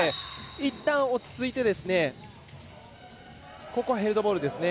いったん落ち着いてヘルドボールですね。